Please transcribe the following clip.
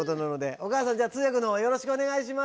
お母さん通訳の方よろしくお願いします。